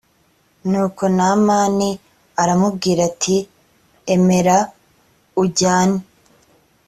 nuko n mani aramubwira ati emera ujyane